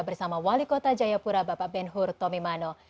bersama wali kota jayapura bapak ben hur tomimano